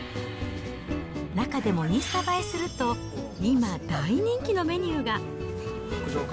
中でもインスタ映えすると、今、大人気のメニューが。